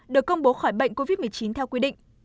được công bố khỏi bệnh covid một mươi chín theo quy định